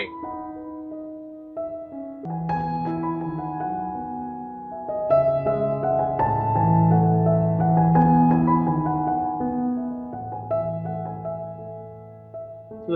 bảy măng cụt